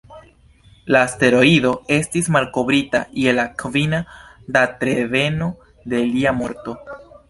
La asteroido estis malkovrita je la kvina datreveno de lia morto.